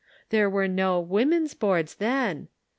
There were no " Woman's Boards " then.